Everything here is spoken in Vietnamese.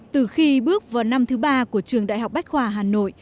từ khi bước vào năm thứ ba của trường đại học bách khoa hà nội